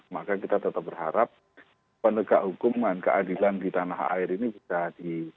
maka kita tetap berharap penegak hukuman keadilan di tanah air ini bisa di